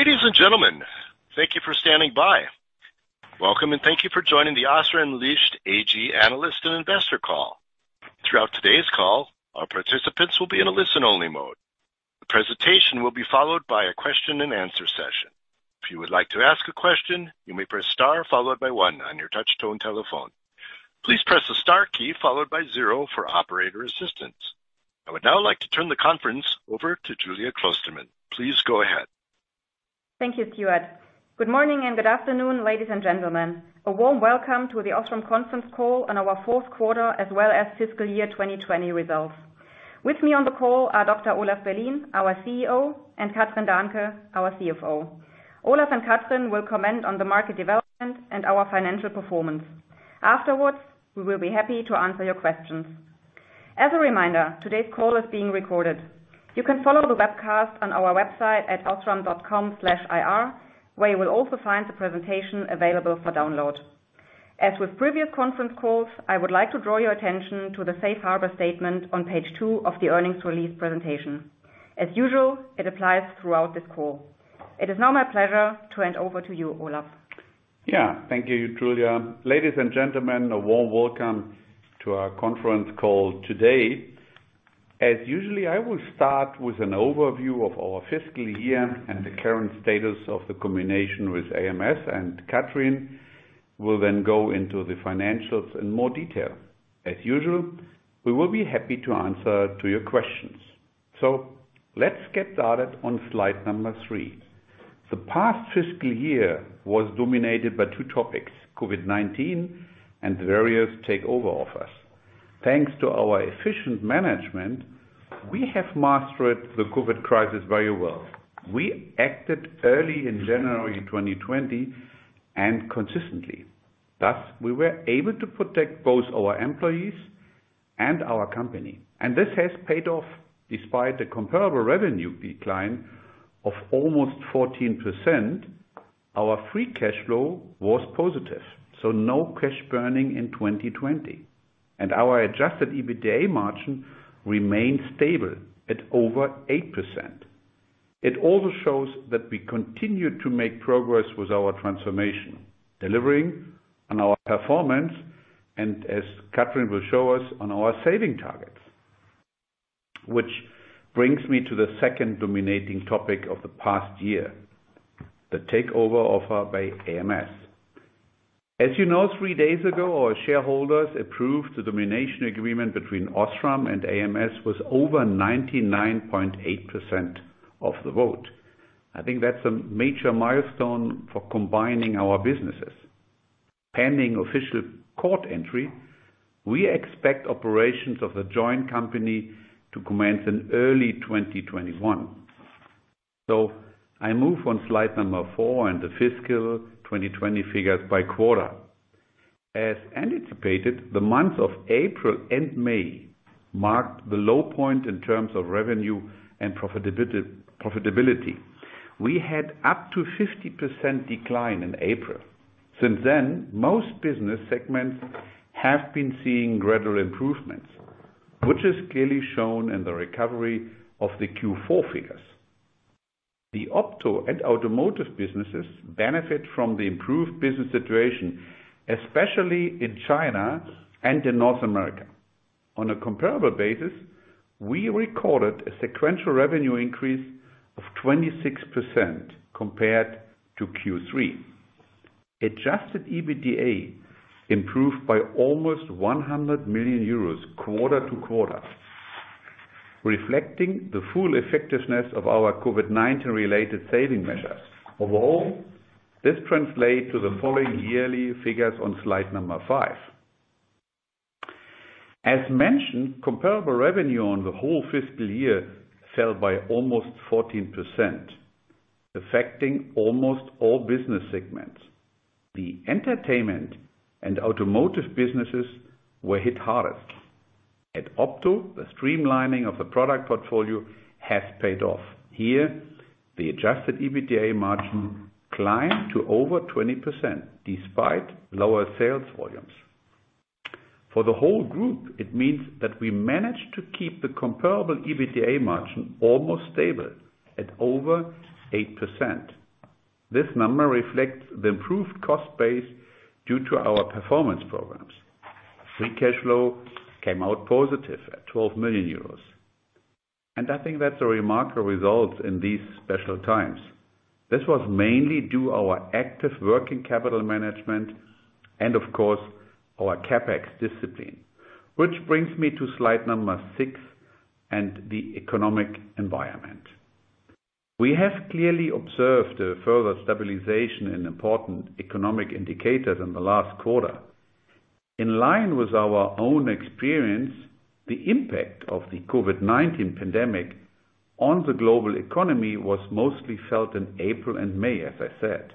Ladies and gentlemen, thank you for standing by. Welcome and thank you for joining the OSRAM Licht AG analyst and investor call. Throughout today's call, our participants will be in a listen-only mode. The presentation will be followed by a question-and-answer session. I would now like to turn the conference over to Julia Klostermann. Please go ahead. Thank you, Stuart. Good morning and good afternoon, ladies and gentlemen. A warm welcome to the OSRAM conference call on our fourth quarter as well as fiscal year 2020 results. With me on the call are Dr. Olaf Berlien, our CEO, and Kathrin Dahnke, our CFO. Olaf and Kathrin will comment on the market development and our financial performance. Afterwards, we will be happy to answer your questions. As a reminder, today's call is being recorded. You can follow the webcast on our website at osram.com/ir, where you will also find the presentation available for download. As with previous conference calls, I would like to draw your attention to the safe harbor statement on page two of the earnings release presentation. As usual, it applies throughout this call. It is now my pleasure to hand over to you, Olaf. Yeah. Thank you, Julia. Ladies and gentlemen, a warm welcome to our conference call today. As usually, I will start with an overview of our fiscal year and the current status of the combination with ams, Kathrin will then go into the financials in more detail. As usual, we will be happy to answer to your questions. Let's get started on slide number 3. The past fiscal year was dominated by two topics, COVID-19 and various takeover offers. Thanks to our efficient management, we have mastered the COVID crisis very well. We acted early in January 2020 and consistently. Thus, we were able to protect both our employees and our company, this has paid off. Despite the comparable revenue decline of almost 14%, our free cash flow was positive, no cash burning in 2020. Our adjusted EBITDA margin remained stable at over 8%. It also shows that we continued to make progress with our transformation, delivering on our performance, as Kathrin will show us, on our saving targets. Which brings me to the second dominating topic of the past year, the takeover offer by ams. As you know, three days ago, our shareholders approved the domination agreement between OSRAM and ams with over 99.8% of the vote. I think that's a major milestone for combining our businesses. Pending official court entry, we expect operations of the joint company to commence in early 2021. I move on slide number four and the fiscal 2020 figures by quarter. As anticipated, the months of April and May marked the low point in terms of revenue and profitability. We had up to 50% decline in April. Since then, most business segments have been seeing gradual improvements, which is clearly shown in the recovery of the Q4 figures. The Opto and Automotive businesses benefit from the improved business situation, especially in China and in North America. On a comparable basis, we recorded a sequential revenue increase of 26% compared to Q3. Adjusted EBITDA improved by almost 100 million euros quarter to quarter, reflecting the full effectiveness of our COVID-19 related saving measures. Overall, this translate to the following yearly figures on slide number five. As mentioned, comparable revenue on the whole fiscal year fell by almost 14%, affecting almost all business segments. The entertainment and Automotive businesses were hit hardest. At Opto, the streamlining of the product portfolio has paid off. Here, the adjusted EBITDA margin climbed to over 20%, despite lower sales volumes. For the whole group, it means that we managed to keep the comparable EBITDA margin almost stable at over 8%. This number reflects the improved cost base due to our performance programs. Free cash flow came out positive at 12 million euros. I think that's a remarkable result in these special times. This was mainly due our active working capital management and of course, our CapEx discipline. Which brings me to slide number six and the economic environment. We have clearly observed a further stabilization in important economic indicators in the last quarter. In line with our own experience, the impact of the COVID-19 pandemic on the global economy was mostly felt in April and May, as I said.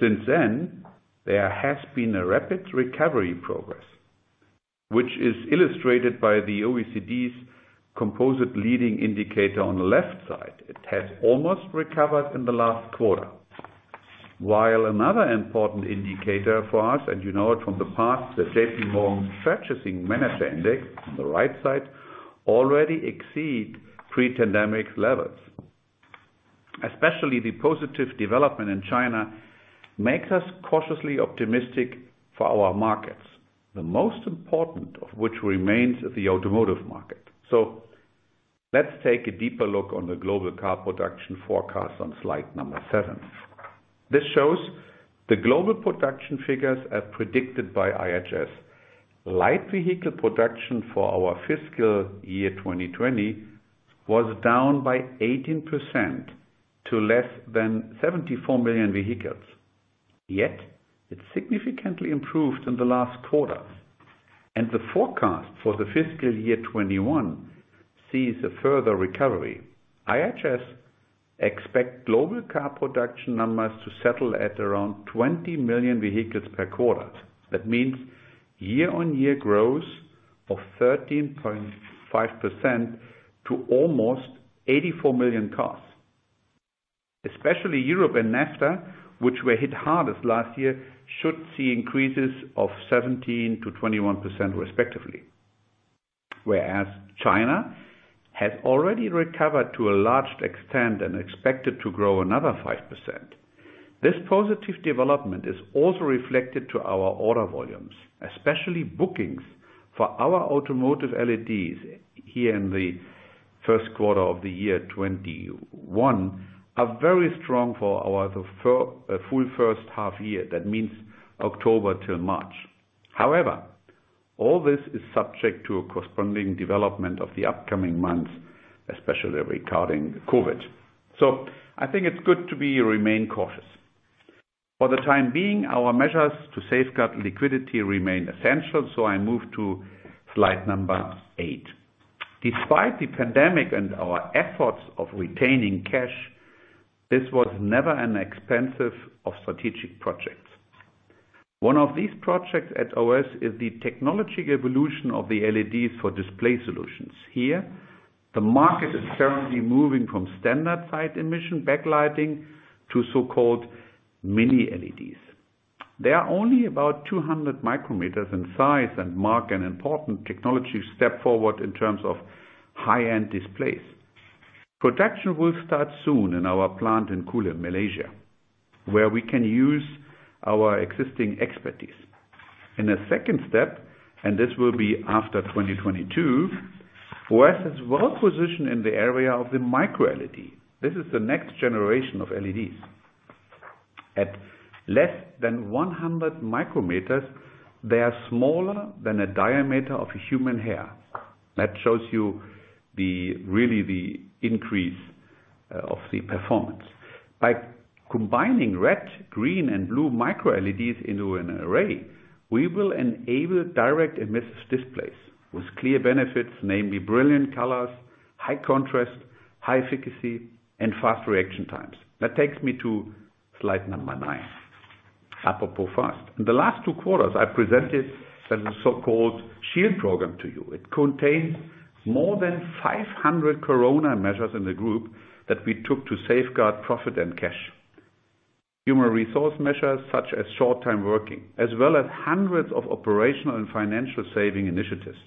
Since then, there has been a rapid recovery progress, which is illustrated by the OECD's composite leading indicator on the left side. It has almost recovered in the last quarter. While another important indicator for us, and you know it from the past, the JPMorgan Purchasing Manager Index on the right side, already exceed pre-pandemic levels. Especially the positive development in China makes us cautiously optimistic for our markets, the most important of which remains the automotive market. Let's take a deeper look on the global car production forecast on slide seven. This shows the global production figures as predicted by IHS. Light vehicle production for our fiscal year 2020 was down by 18% to less than 74 million vehicles. It significantly improved in the last quarters, and the forecast for the fiscal year 2021 sees a further recovery. IHS expect global car production numbers to settle at around 20 million vehicles per quarter. That means year-on-year growth of 13.5% to almost 84 million cars. Especially Europe and NAFTA, which were hit hardest last year, should see increases of 17%-21% respectively. China has already recovered to a large extent and expected to grow another 5%. This positive development is also reflected to our order volumes, especially bookings for our Automotive LEDs here in the first quarter of the year 2021 are very strong for our full first half year. That means October till March. All this is subject to a corresponding development of the upcoming months, especially regarding COVID-19. I think it's good to remain cautious. For the time being, our measures to safeguard liquidity remain essential. I move to slide number eight. Despite the pandemic and our efforts of retaining cash, this was never at the expense of strategic projects. One of these projects at OS is the technology evolution of the LEDs for display solutions. Here, the market is currently moving from standard side emission backlighting to so-called Mini LEDs. They are only about 200 micrometers in size and mark an important technology step forward in terms of high-end displays. Production will start soon in our plant in Kulim, Malaysia, where we can use our existing expertise. In a second step, this will be after 2022, OS is well positioned in the area of the MicroLED. This is the next generation of LEDs. At less than 100 micrometers, they are smaller than a diameter of a human hair. That shows you really the increase of the performance. By combining red, green, and blue MicroLEDs into an array, we will enable direct emissive displays with clear benefits, namely brilliant colors, high contrast, high efficacy, and fast reaction times. That takes me to slide number nine. Apropos fast. In the last two quarters, I presented a so-called Shield program to you. It contained more than 500 COVID-19 measures in the group that we took to safeguard profit and cash. Human resource measures such as short-time working, as well as hundreds of operational and financial saving initiatives.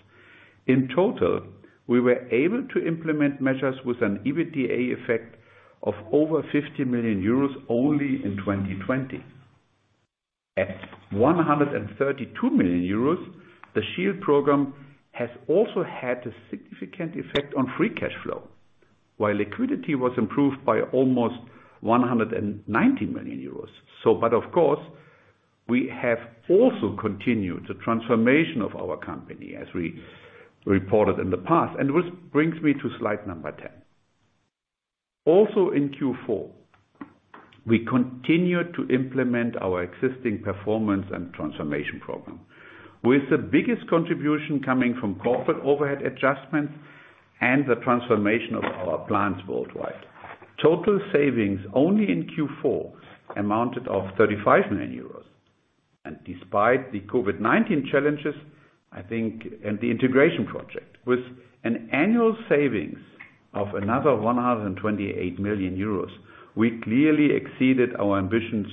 In total, we were able to implement measures with an EBITDA effect of over 50 million euros only in 2020. At 132 million euros, the Shield program has also had a significant effect on free cash flow, while liquidity was improved by almost 190 million euros. Of course, we have also continued the transformation of our company as we reported in the past, and which brings me to slide number 10. Also in Q4, we continued to implement our existing performance and transformation program. With the biggest contribution coming from corporate overhead adjustments and the transformation of our plants worldwide. Total savings only in Q4 amounted of 35 million euros. Despite the COVID-19 challenges, I think, and the integration project, with an annual savings of another 128 million euros, we clearly exceeded our ambitions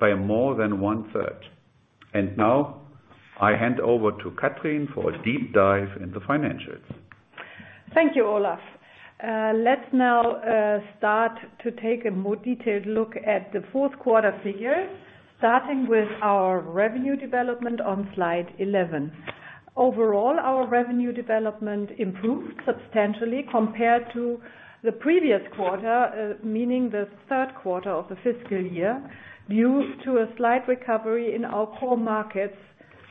by more than one-third. Now I hand over to Kathrin for a deep dive in the financials. Thank you, Olaf. Let's now start to take a more detailed look at the fourth quarter figures, starting with our revenue development on slide 11. Overall, our revenue development improved substantially compared to the previous quarter, meaning the third quarter of the fiscal year, due to a slight recovery in our core markets,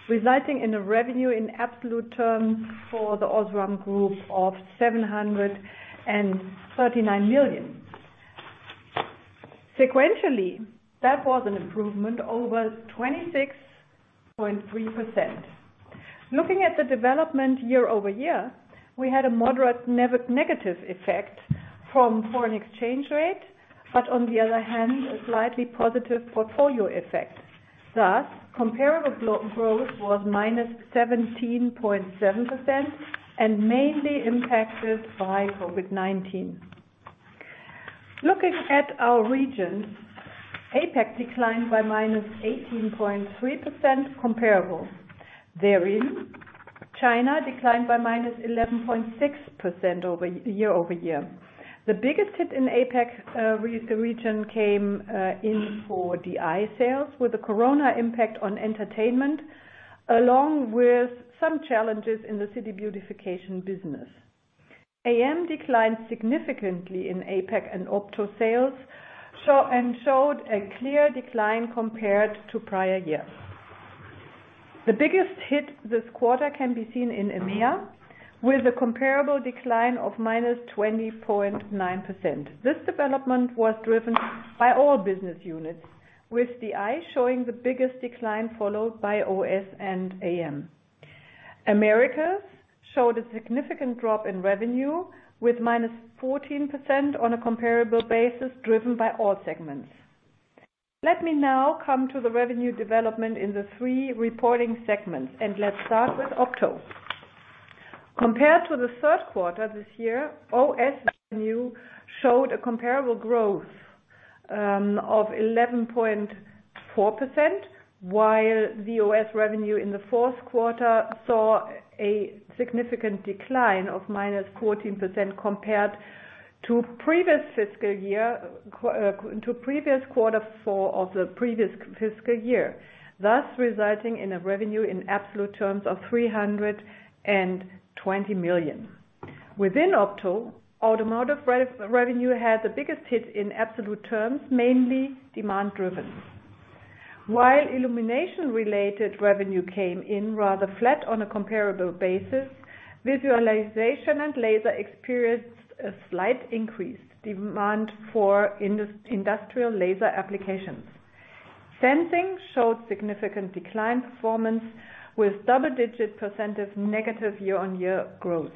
resulting in a revenue in absolute terms for the OSRAM Group of EUR 739 million. Sequentially, that was an improvement over 26.3%. Looking at the development year-over-year, we had a moderate negative effect from foreign exchange rate, but on the other hand, a slightly positive portfolio effect. Thus, comparable growth was -17.7%, and mainly impacted by COVID-19. Looking at our regions, APAC declined by -18.3% comparable. Therein, China declined by -11.6% year-over-year. The biggest hit in APAC region came in for DI sales, with the Corona impact on entertainment, along with some challenges in the city beautification business. AM declined significantly in APAC and Opto sales, and showed a clear decline compared to prior years. The biggest hit this quarter can be seen in EMEA, with a comparable decline of -20.9%. This development was driven by all business units, with DI showing the biggest decline followed by OS and AM. Americas showed a significant drop in revenue with -14% on a comparable basis, driven by all segments. Let me now come to the revenue development in the three reporting segments, and let's start with Opto. Compared to the third quarter this year, OS revenue showed a comparable growth of 11.4%, while the OS revenue in the fourth quarter saw a significant decline of -14% compared to previous quarter four of the previous fiscal year. Thus resulting in a revenue in absolute terms of 320 million. Within Opto, Automotive revenue had the biggest hit in absolute terms, mainly demand-driven. While illumination-related revenue came in rather flat on a comparable basis, visualization and laser experienced a slight increased demand for industrial laser applications. Sensing showed significant decline performance, with double-digit percentage negative year-on-year growth.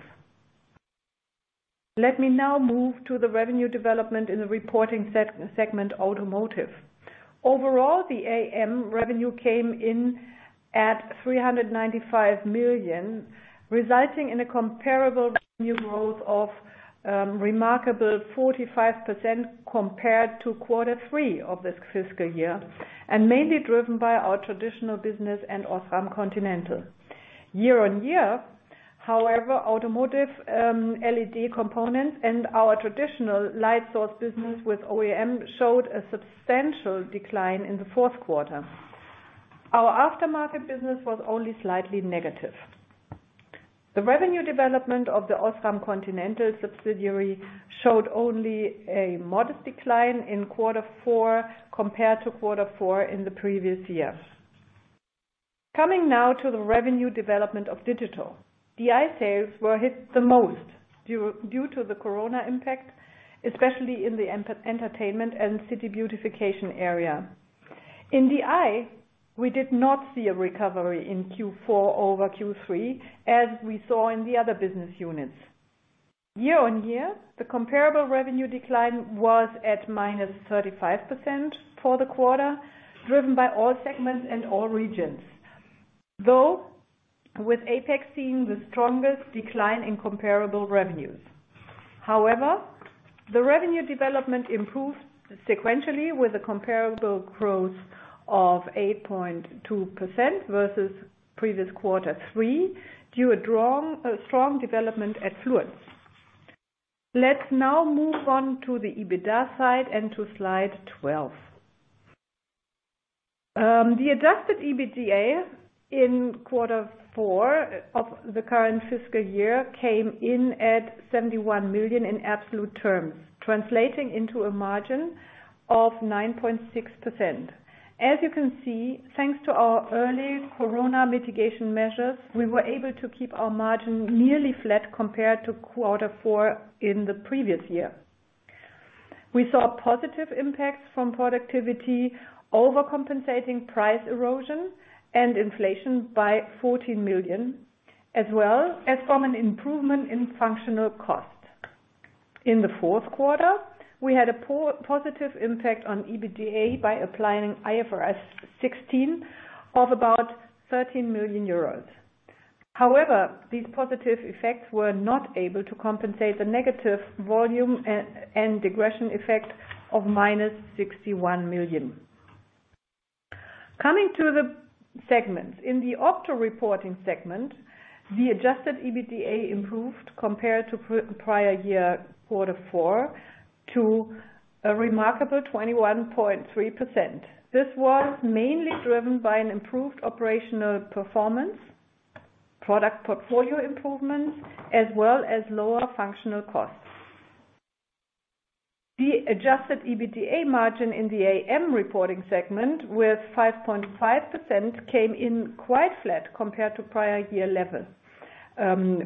Let me now move to the revenue development in the reporting segment Automotive. Overall, the AM revenue came in at 395 million, resulting in a comparable revenue growth of remarkable 45% compared to quarter three of this fiscal year, mainly driven by our traditional business and OSRAM Continental. Year-on-year, however, automotive LED components and our traditional light source business with OEM showed a substantial decline in the fourth quarter. Our aftermarket business was only slightly negative. The revenue development of the OSRAM Continental subsidiary showed only a modest decline in quarter four compared to quarter four in the previous year. Coming now to the revenue development of Digital. DI sales were hit the most due to the corona impact, especially in the entertainment and city beautification area. In DI, we did not see a recovery in Q4 over Q3, as we saw in the other business units. Year-on-year, the comparable revenue decline was at -35% for the quarter, driven by all segments and all regions, though with APAC seeing the strongest decline in comparable revenues. However, the revenue development improved sequentially with a comparable growth of 8.2% versus previous quarter three, due a strong development at Fluence. Let's now move on to the EBITDA side and to slide 12. The adjusted EBITDA in quarter four of the current fiscal year came in at 71 million in absolute terms, translating into a margin of 9.6%. As you can see, thanks to our early corona mitigation measures, we were able to keep our margin nearly flat compared to quarter four in the previous year. We saw positive impacts from productivity overcompensating price erosion and inflation by 14 million, as well as from an improvement in functional costs. In the fourth quarter, we had a positive impact on EBITDA by applying IFRS 16 of about 13 million euros. However, these positive effects were not able to compensate the negative volume and regression effect of -61 million. Coming to the segments. In the Opto reporting segment, the adjusted EBITDA improved compared to prior year quarter four to a remarkable 21.3%. This was mainly driven by an improved operational performance, product portfolio improvements, as well as lower functional costs. The adjusted EBITDA margin in the AM reporting segment with 5.5% came in quite flat compared to prior year level,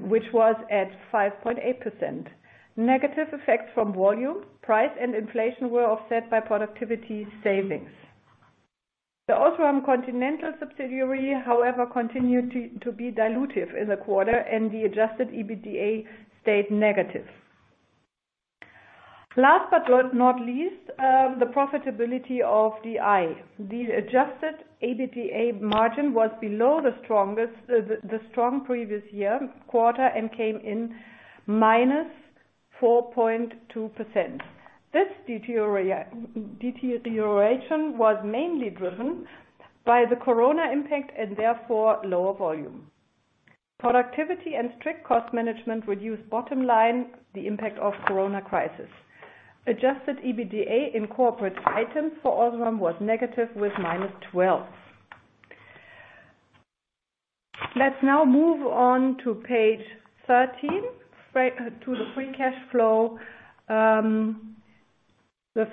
which was at 5.8%. Negative effects from volume, price, and inflation were offset by productivity savings. The OSRAM Continental subsidiary, however, continued to be dilutive in the quarter and the adjusted EBITDA stayed negative. Last but not least, the profitability of DI. The adjusted EBITDA margin was below the strong previous year quarter and came in -4.2%. This deterioration was mainly driven by the COVID-19 impact and therefore lower volume. Productivity and strict cost management reduced bottom line, the impact of COVID-19 crisis. Adjusted EBITDA in corporate items for OSRAM was negative with -12 million. Let's now move on to page 13, to the free cash flow. The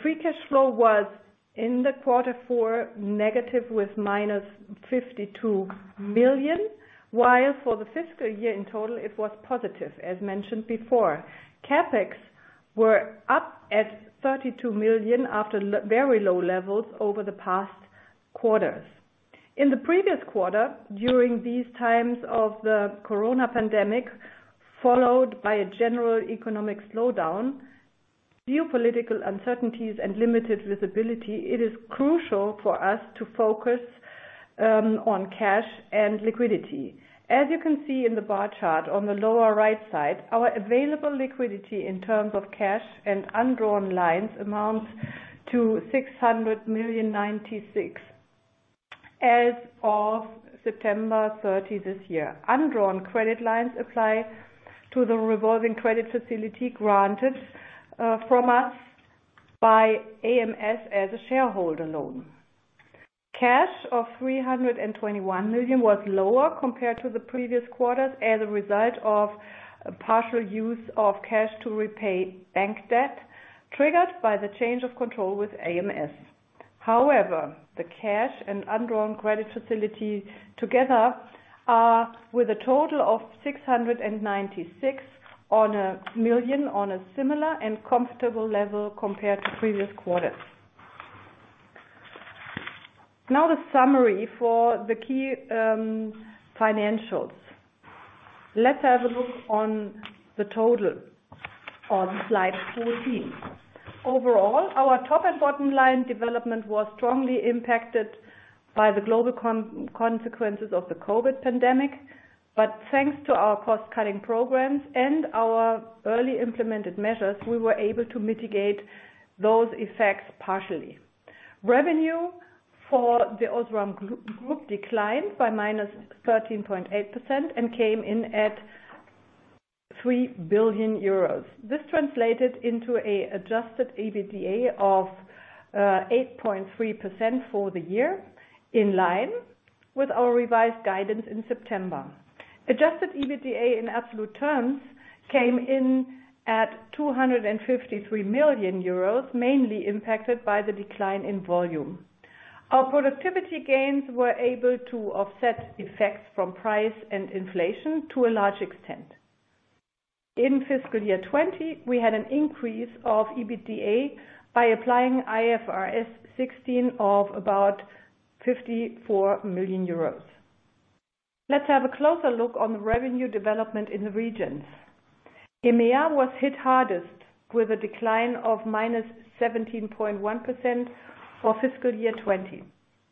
free cash flow was, in the quarter four, negative with -52 million. For the fiscal year in total, it was positive, as mentioned before. CapEx were up at 32 million after very low levels over the past quarters. In the previous quarter, during these times of the COVID-19 pandemic, followed by a general economic slowdown, geopolitical uncertainties and limited visibility, it is crucial for us to focus on cash and liquidity. As you can see in the bar chart on the lower right side, our available liquidity in terms of cash and undrawn lines amounts to 696 million as of September 30 this year. Undrawn credit lines apply to the revolving credit facility granted from us by ams AG as a shareholder loan. Cash of 321 million was lower compared to the previous quarters as a result of partial use of cash to repay bank debt, triggered by the change of control with ams AG. The cash and undrawn credit facility together are with a total of 696 million on a similar and comfortable level compared to previous quarters. The summary for the key financials. Let's have a look on the total on slide 14. Overall, our top and bottom line development was strongly impacted by the global consequences of the COVID-19 pandemic. Thanks to our cost-cutting programs and our early implemented measures, we were able to mitigate those effects partially. Revenue for the OSRAM Group declined by -13.8% and came in at 3 billion euros. This translated into a adjusted EBITDA of 8.3% for the year, in line with our revised guidance in September. Adjusted EBITDA in absolute terms came in at 253 million euros, mainly impacted by the decline in volume. Our productivity gains were able to offset effects from price and inflation to a large extent. In fiscal year 2020, we had an increase of EBITDA by applying IFRS 16 of about 54 million euros. Let's have a closer look on the revenue development in the regions. EMEA was hit hardest with a decline of -17.1% for fiscal year 2020.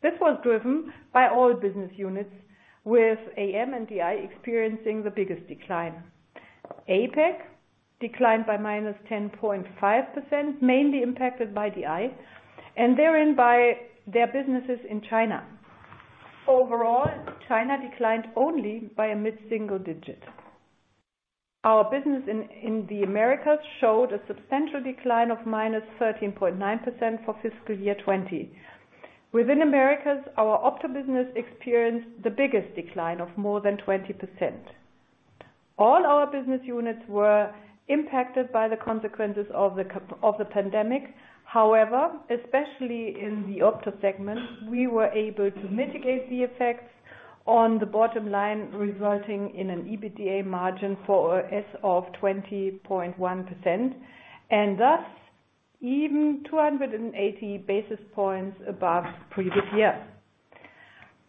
This was driven by all business units, with AM and DI experiencing the biggest decline. APAC declined by -10.5%, mainly impacted by DI, and therein by their businesses in China. Overall, China declined only by a mid-single digit. Our business in the Americas showed a substantial decline of -13.9% for fiscal year 2020. Within Americas, our Opto business experienced the biggest decline of more than 20%. All our business units were impacted by the consequences of the pandemic. However, especially in the Opto segment, we were able to mitigate the effects on the bottom line, resulting in an EBITDA margin for OS of 20.1%, and thus even 280 basis points above previous year.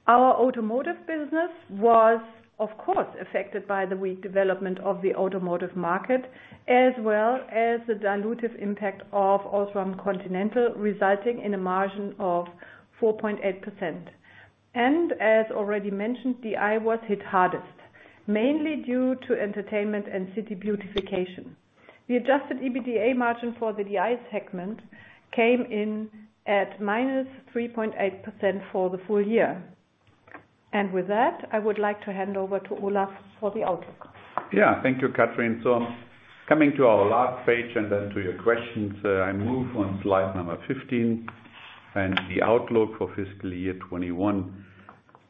Our Automotive business was, of course, affected by the weak development of the automotive market, as well as the dilutive impact of OSRAM Continental, resulting in a margin of 4.8%. As already mentioned, DI was hit hardest, mainly due to entertainment and city beautification. The adjusted EBITDA margin for the DI segment came in at -3.8% for the full year. With that, I would like to hand over to Olaf for the outlook. Thank you, Kathrin. Coming to our last page and then to your questions, I move on slide number 15 and the outlook for fiscal year 2021.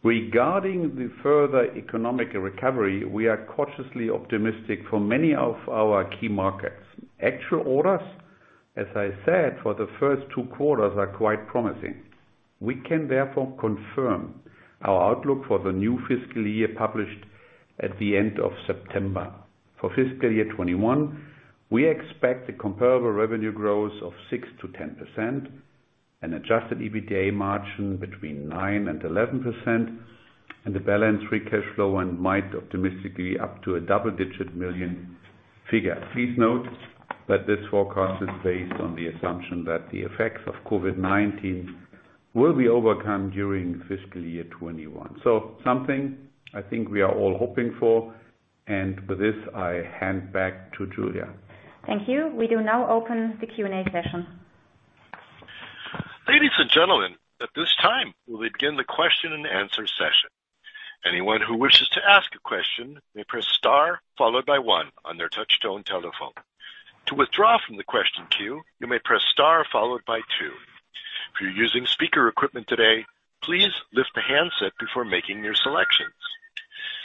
Regarding the further economic recovery, we are cautiously optimistic for many of our key markets. Actual orders, as I said, for the first two quarters are quite promising. We can therefore confirm our outlook for the new fiscal year published at the end of September. For fiscal year 2021, we expect a comparable revenue growth of 6%-10%. An adjusted EBITDA margin between 9% and 11%, and the balanced free cash flow and might optimistically up to a double-digit million EUR figure. Please note that this forecast is based on the assumption that the effects of COVID-19 will be overcome during fiscal year 2021. Something I think we are all hoping for. With this, I hand back to Julia. Thank you. We do now open the Q&A session. Ladies and gentlemen, at this time, we'll begin the question-and-answer session. Anyone who wishes to ask a question may press star followed by one on their touch-tone telephone. To withdraw from the question queue, you may press star followed by two. If you're using speaker equipment today, please lift the handset before making your selections.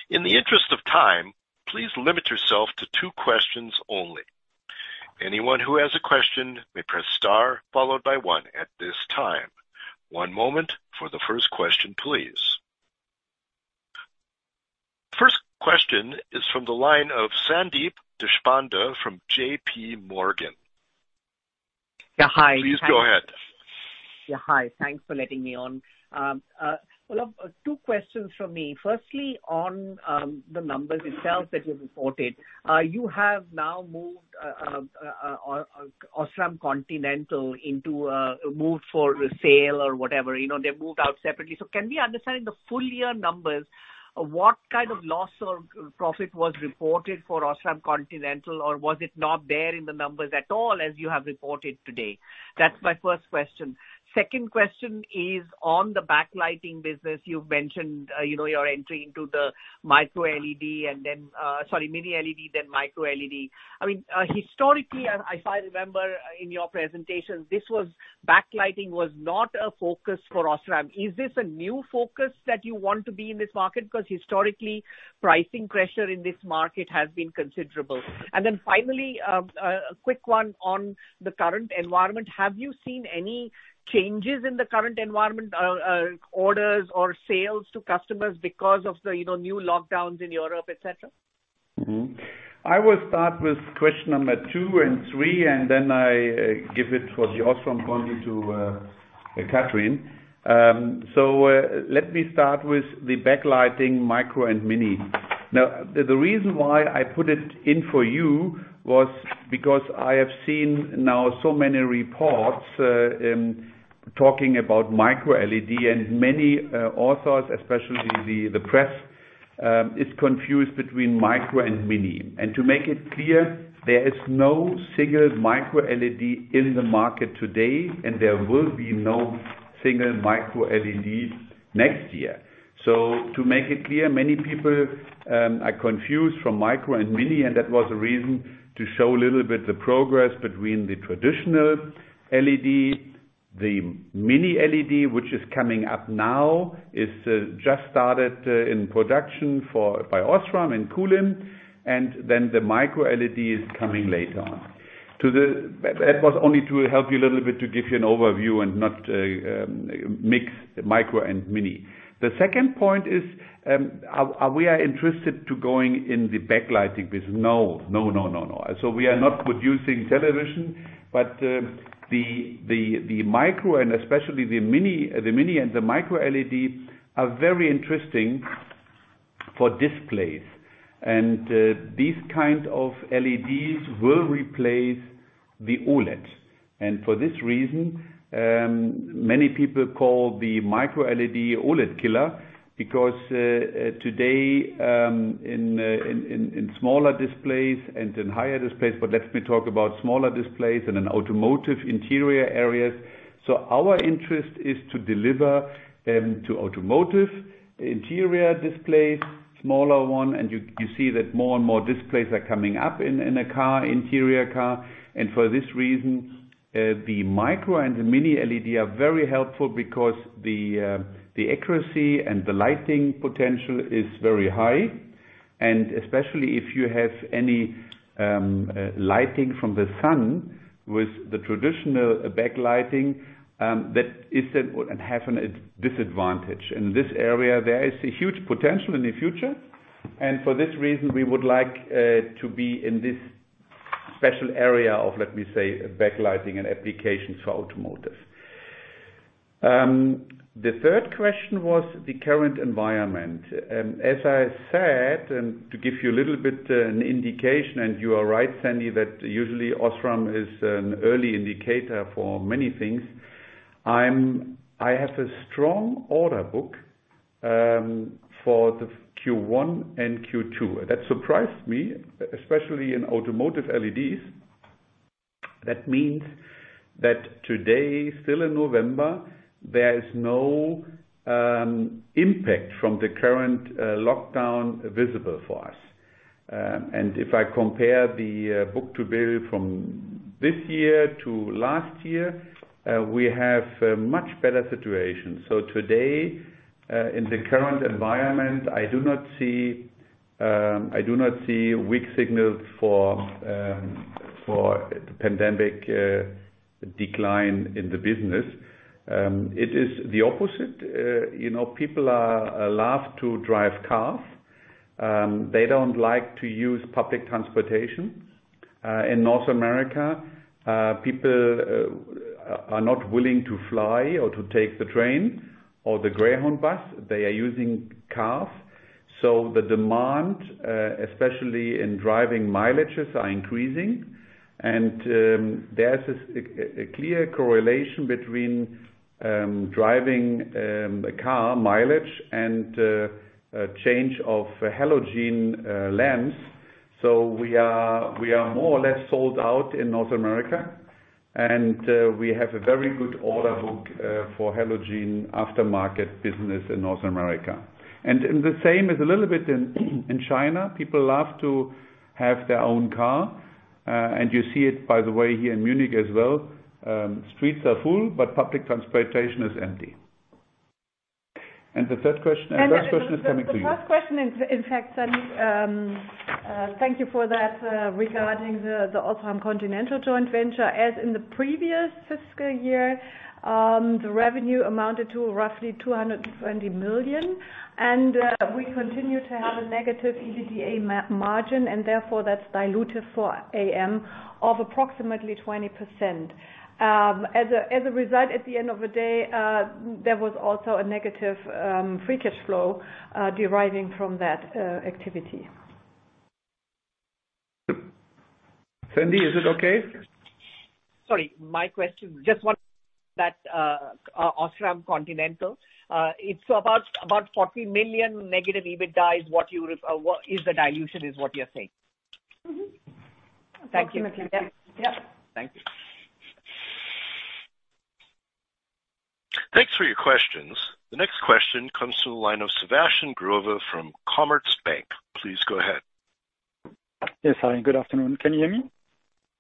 In the interest of time, please limit yourself to two questions only. Anyone who has a question may press star followed by one at this time. One moment for the first question, please. First question is from the line of Sandeep Deshpande from JPMorgan. Yeah. Hi. Please go ahead. Yeah. Hi. Thanks for letting me on. Olaf, two questions from me. Firstly, on the numbers itself that you reported. You have now moved OSRAM Continental into a move for sale or whatever. They moved out separately. Can we understand the full year numbers? What kind of loss or profit was reported for OSRAM Continental? Was it not there in the numbers at all as you have reported today? That's my first question. Second question is on the backlighting business you've mentioned, your entry into the MicroLED and then, sorry, Mini LED, then MicroLED. Historically, as I remember in your presentations, backlighting was not a focus for OSRAM. Is this a new focus that you want to be in this market? Historically, pricing pressure in this market has been considerable. Finally, a quick one on the current environment. Have you seen any changes in the current environment, orders or sales to customers because of the new lockdowns in Europe, et cetera? Mm-hmm. I will start with question number two and three, and then I give it for the OSRAM Conti to Kathrin. Let me start with the backlighting Micro and Mini. Now, the reason why I put it in for you was because I have seen now so many reports talking about MicroLED and many authors, especially the press, is confused between Micro and Mini. To make it clear, there is no single MicroLED in the market today, and there will be no single MicroLED next year. To make it clear, many people are confused from Micro and Mini, and that was the reason to show a little bit the progress between the traditional LED, the Mini LED, which is coming up now, is just started in production by OSRAM in Kulim, and then the MicroLED is coming later on. That was only to help you a little bit to give you an overview and not mix Micro and Mini. The second point is, are we interested to going in the backlighting business? No. We are not producing television, but the Micro and especially the Mini LED and the MicroLED are very interesting for displays. These kind of LEDs will replace the OLED. For this reason, many people call the MicroLED OLED killer because, today, in smaller displays and in higher displays, but let me talk about smaller displays and in automotive interior areas. Our interest is to deliver to automotive interior displays, smaller one. You see that more and more displays are coming up in a car, interior car. For this reason, the Micro and the Mini LED are very helpful because the accuracy and the lighting potential is very high. Especially if you have any lighting from the sun with the traditional backlighting, that is at a disadvantage. In this area, there is a huge potential in the future. For this reason, we would like to be in this special area of, let me say, backlighting and applications for Automotive. The third question was the current environment. As I said, to give you a little bit an indication, you are right, Sandeep, that usually OSRAM is an early indicator for many things. I have a strong order book for the Q1 and Q2. That surprised me, especially in Automotive LEDs. That means that today, still in November, there is no impact from the current lockdown visible for us. If I compare the book-to-bill from this year to last year, we have a much better situation. Today, in the current environment, I do not see weak signals for pandemic decline in the business. It is the opposite. People love to drive cars. They don't like to use public transportation. In North America, people are not willing to fly or to take the train or the Greyhound bus. They are using cars. The demand, especially in driving mileages, are increasing. There's a clear correlation between driving a car mileage and change of halogen lamps. We are more or less sold out in North America, and we have a very good order book for halogen aftermarket business in North America. The same is a little bit in China. People love to have their own car. You see it, by the way, here in Munich as well. Streets are full, but public transportation is empty. The third question is coming to you. The first question, in fact, Sandeep, thank you for that, regarding the OSRAM Continental joint venture. As in the previous fiscal year, the revenue amounted to roughly 220 million, and we continue to have a negative EBITDA margin, and therefore, that's dilutive for Automotive of approximately 20%. As a result, at the end of the day, there was also a negative free cash flow deriving from that activity. Sandeep, is it okay? Sorry, my question. That OSRAM Continental, it's about 40 million negative EBITDA. Is the dilution what you're saying? Thank you. Approximately, yeah. Thank you. Thanks for your questions. The next question comes through the line of Sebastian Growe from Commerzbank. Please go ahead. Yes. Hi, good afternoon. Can you hear me?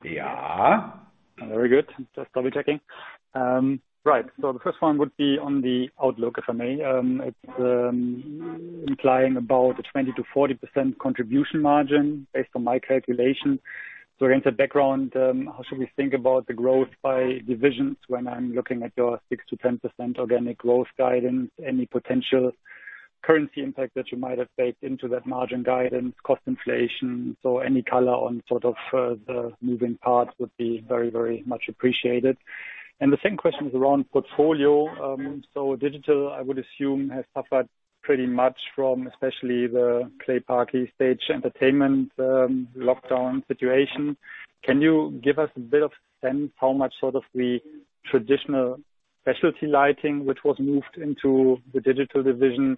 Yeah. Very good. Just double-checking. Right. The first one would be on the outlook, if I may. It's implying about a 20%-40% contribution margin based on my calculation. Against that background, how should we think about the growth by divisions when I'm looking at your 6%-10% organic growth guidance? Any potential currency impact that you might have baked into that margin guidance, cost inflation? Any color on sort of the moving parts would be very much appreciated. The second question is around portfolio. Digital, I would assume, has suffered pretty much from especially the Claypaky stage entertainment lockdown situation. Can you give us a bit of sense how much sort of the traditional specialty lighting, which was moved into the Digital division,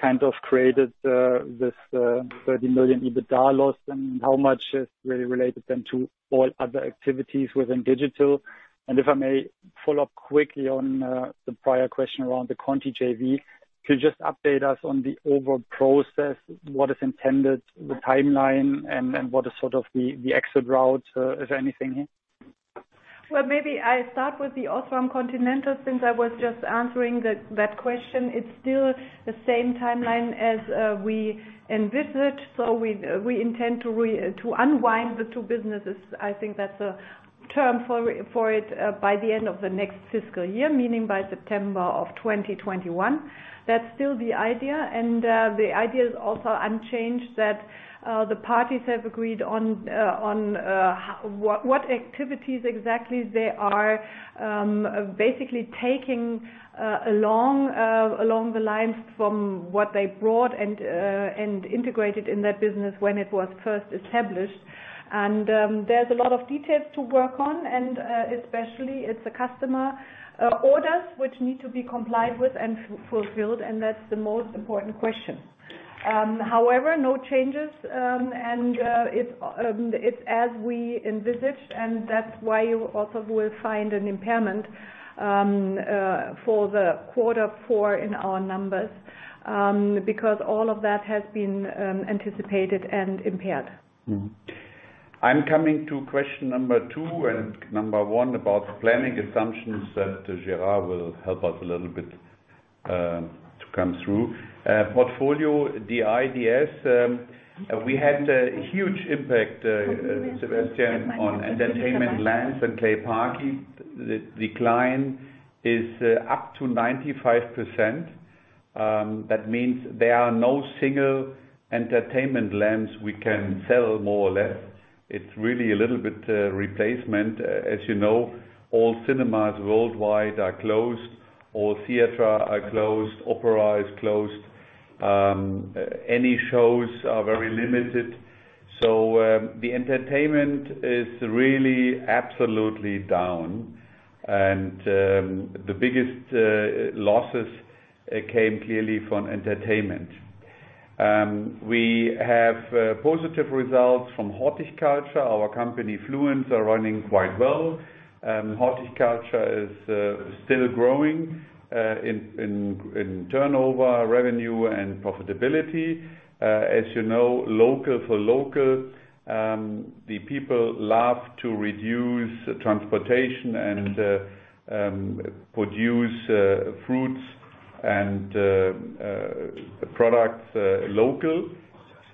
kind of created this 30 million EBITDA loss, and how much is really related then to all other activities within Digital? If I may follow up quickly on the prior question around the Conti JV. Could you just update us on the overall process? What is intended, the timeline, and what is sort of the exit route? Is there anything here? Maybe I start with the OSRAM Continental since I was just answering that question. It's still the same timeline as we envisaged. We intend to unwind the two businesses, I think that's a term for it, by the end of the next fiscal year, meaning by September of 2021. That's still the idea. The idea is also unchanged that the parties have agreed on what activities exactly they are basically taking along the lines from what they brought and integrated in that business when it was first established. There's a lot of details to work on, and especially it's the customer orders which need to be complied with and fulfilled, and that's the most important question. No changes, and it's as we envisaged, and that's why you also will find an impairment for the quarter four in our numbers, because all of that has been anticipated and impaired. I'm coming to question number two and number one about planning assumptions that Gerhard will help us a little bit to come through. Portfolio, the DI, we had a huge impact, Sebastian, on entertainment lamps and Claypaky. The decline is up to 95%. That means there are no single entertainment lamps we can sell, more or less. It's really a little bit replacement. As you know, all cinemas worldwide are closed, all theaters are closed, opera is closed. Any shows are very limited. The entertainment is really absolutely down. The biggest losses came clearly from entertainment. We have positive results from horticulture. Our company, Fluence, are running quite well. Horticulture is still growing in turnover, revenue, and profitability. As you know, local for local, the people love to reduce transportation and produce fruits and products local.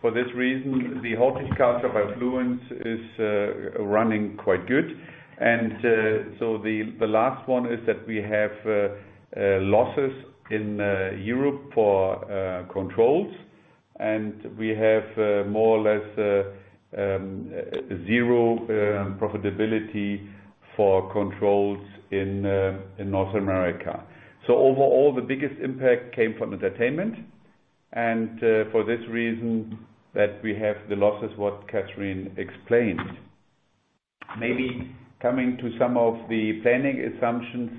For this reason, the horticulture by Fluence is running quite good. The last one is that we have losses in Europe for controls. And we have more or less zero profitability for controls in North America. Overall, the biggest impact came from entertainment, and for this reason that we have the losses, what Kathrin explained. Maybe coming to some of the planning assumptions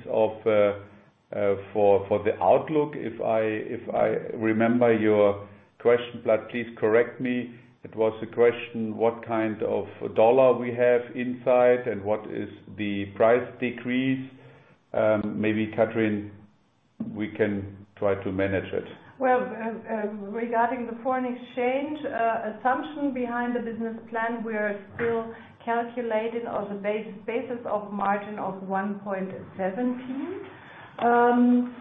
for the outlook. If I remember your question, please correct me. It was a question, what kind of EUR we have in sight and what is the price decrease? Maybe Kathrin, we can try to manage it. Well, regarding the foreign exchange assumption behind the business plan, we are still calculating on the basis of 1.17.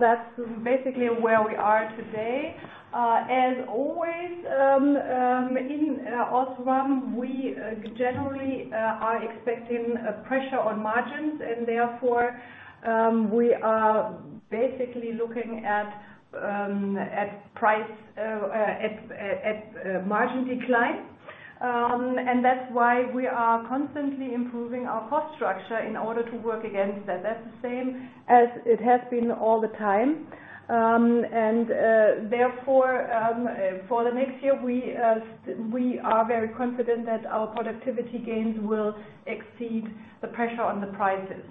That's basically where we are today. As always, in OSRAM, we generally are expecting pressure on margins and therefore, we are basically looking at margin decline. That's why we are constantly improving our cost structure in order to work against that. That's the same as it has been all the time. Therefore, for the next year, we are very confident that our productivity gains will exceed the pressure on the prices.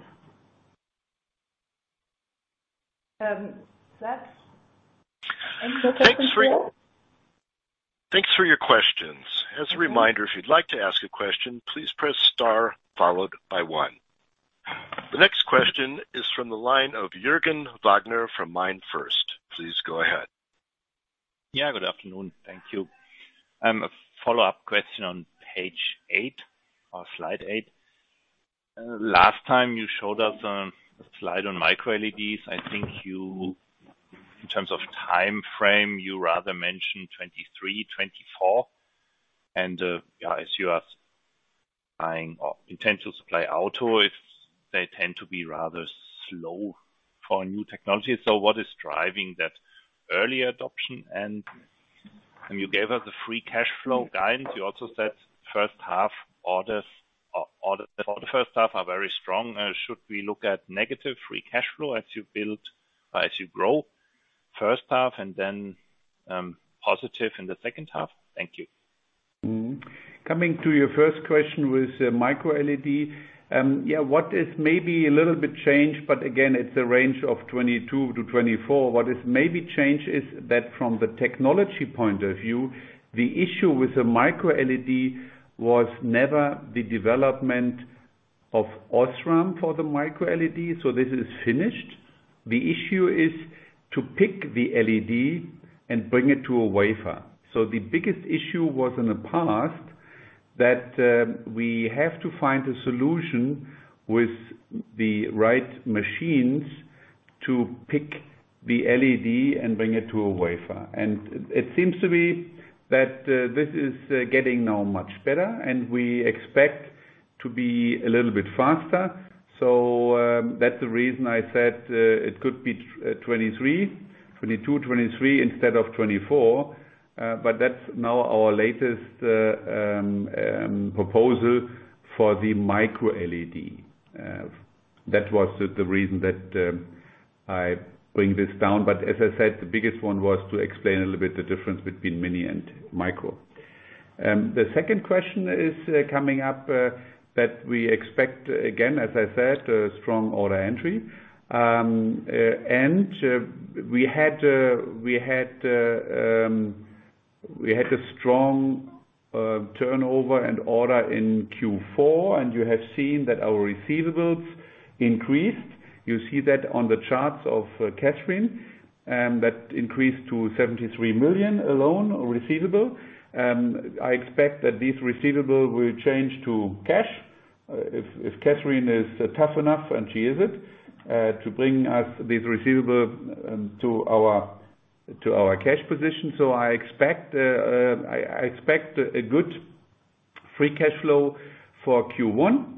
That's it. Any other questions? Thanks for your questions. As a reminder, if you'd like to ask a question, please press star followed by one. The next question is from the line of Juergen Wagner from MainFirst. Please go ahead. Yeah, good afternoon. Thank you. A follow-up question on page eight or slide eight. Last time you showed us a slide on MicroLEDs. I think you, in terms of time frame, you rather mentioned 2023, 2024. As you are buying or intend to supply auto, if they tend to be rather slow for a new technology. What is driving that early adoption? You gave us a free cash flow guidance. You also said orders for the first half are very strong. Should we look at negative free cash flow as you build or as you grow first half and then positive in the second half? Thank you. Coming to your first question with MicroLED. What is maybe a little bit changed, but again, it's a range of 2022-2024. What is maybe changed is that from the technology point of view, the issue with the MicroLED was never the development of OSRAM for the MicroLED. This is finished. The issue is to pick the LED and bring it to a wafer. The biggest issue was in the past that we have to find a solution with the right machines to pick the LED and bring it to a wafer. It seems to be that this is getting now much better, and we expect to be a little bit faster. That's the reason I said it could be 2023, 2022, 2023 instead of 2024. That's now our latest proposal for the MicroLED. That was the reason that I bring this down. As I said, the biggest one was to explain a little bit the difference between Mini and Micro. The second question is coming up, that we expect, again, as I said, a strong order entry. We had a strong turnover and order in Q4, and you have seen that our receivables increased. You see that on the charts of Kathrin, that increased to 73 million alone, receivable. I expect that this receivable will change to cash, if Kathrin is tough enough, and she is it, to bring us this receivable to our cash position. I expect a good free cash flow for Q1.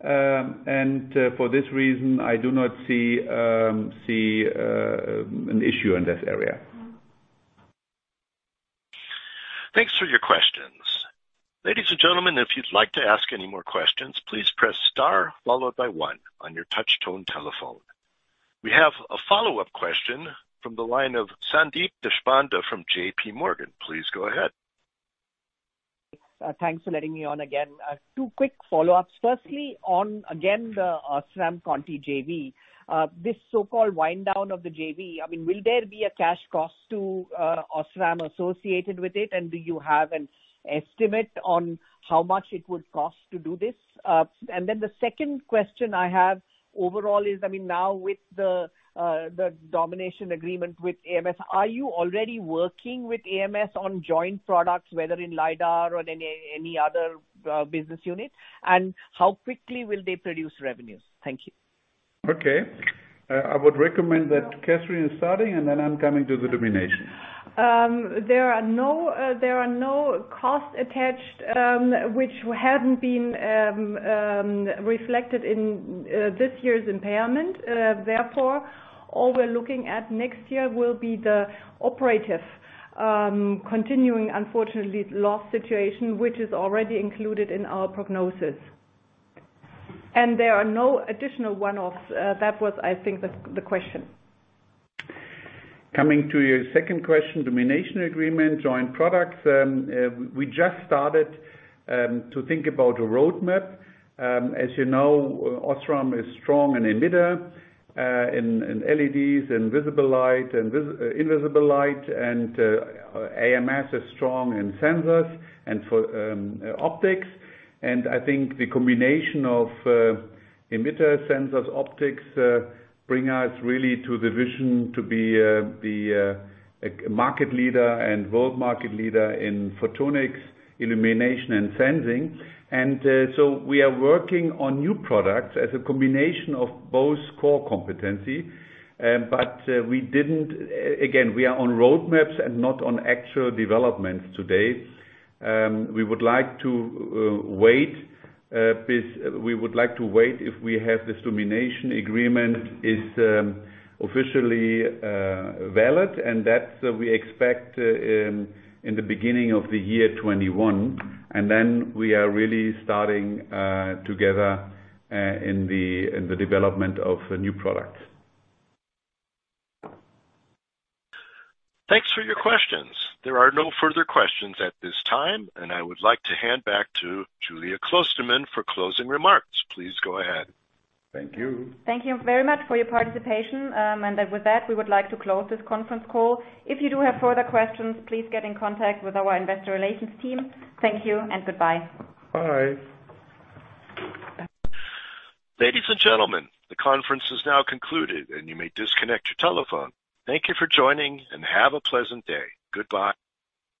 For this reason, I do not see an issue in that area. Thanks for your questions. Ladies and gentlemen, if you'd like to ask any more questions, please press star followed by one on your touch tone telephone. We have a follow-up question from the line of Sandeep Deshpande from JPMorgan. Please go ahead. Thanks for letting me on again. Two quick follow-ups. Firstly, on again, the OSRAM Conti JV. This so-called wind down of the JV, will there be a cash cost to OSRAM associated with it? Do you have an estimate on how much it would cost to do this? The second question I have overall is, now with the Domination Agreement with ams, are you already working with ams on joint products, whether in LiDAR or any other business unit? How quickly will they produce revenues? Thank you. Okay. I would recommend that Kathrin is starting, and then I'm coming to the Domination. There are no costs attached which hadn't been reflected in this year's impairment, therefore, all we're looking at next year will be the operative. Continuing, unfortunately, loss situation, which is already included in our prognosis. There are no additional one-offs. That was, I think, the question. Coming to your second question, Domination Agreement, joint products. We just started to think about a roadmap. As you know, OSRAM is strong in emitter, in LEDs, in visible light, invisible light, ams is strong in sensors and for optics. I think the combination of emitter, sensors, optics, bring us really to the vision to be a market leader and world market leader in photonics, illumination, and sensing. We are working on new products as a combination of both core competency. Again, we are on roadmaps and not on actual developments today. We would like to wait if we have this Domination Agreement is officially valid. That we expect in the beginning of the year 2021. Then we are really starting together in the development of new products. Thanks for your questions. There are no further questions at this time. I would like to hand back to Julia Klostermann for closing remarks. Please go ahead. Thank you. Thank you very much for your participation. With that, we would like to close this conference call. If you do have further questions, please get in contact with our investor relations team. Thank you and goodbye. Bye. Ladies and gentlemen, the conference is now concluded and you may disconnect your telephone. Thank you for joining and have a pleasant day. Goodbye.